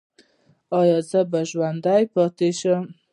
ایا زه به ژوندی پاتې شم؟